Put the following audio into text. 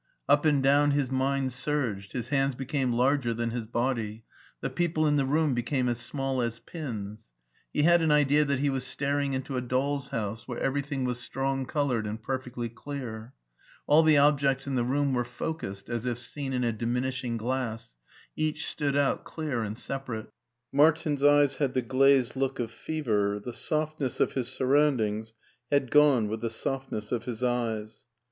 Up and down his mind surged. His hands became larger than his body. The people in the room became as small as pins. He had an idea that he was staring into a doirs house where everything was strong colored and perfectly clear. All the objects in the room were focused as if s^n in a diminishing glass; each stood out clear and separate. Martin's eyes had the glazed look of fever : the softness of his surroundings had gone with the softness of his eyes.